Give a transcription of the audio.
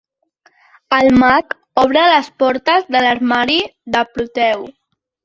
El mag obre les portes de l'armari de Proteu.